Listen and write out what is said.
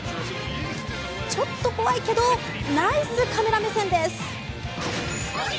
ちょっと怖いけどナイスカメラ目線です。